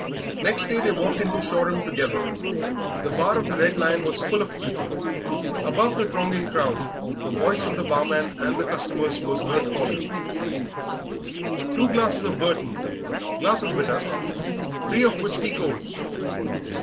Next day they walked into Shoreham together. The bar of the "Red Lion" was full of people. Above the thronging crowd the voice of the barman and the customers were heard calling, "Two glasses of Burton, glass of bitter, three of whiskey cold."